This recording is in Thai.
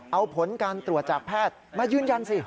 เอาผลการตรวจจากแพทย์มายืนยันสิ